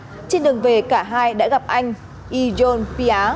inisa về nhà trên đường về cả hai đã gặp anh ijon pia